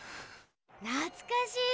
なつかしい！